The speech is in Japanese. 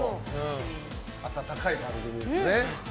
温かい番組ですね。